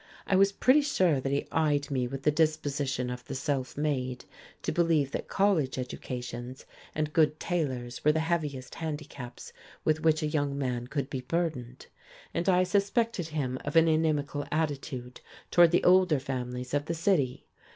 I was pretty sure that he eyed me with the disposition of the self made to believe that college educations and good tailors were the heaviest handicaps with which a young man could be burdened: and I suspected him of an inimical attitude toward the older families of the city.